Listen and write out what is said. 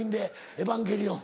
『エヴァンゲリオン』。